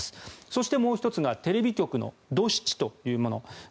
そして、もう１つがテレビ局のドシチというもの。